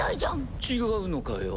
違うのかよ？